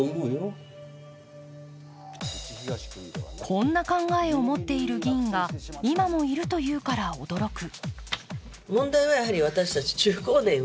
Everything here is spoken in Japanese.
こんな考えを持っている議員が今もいるというから驚く。